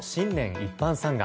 一般参賀。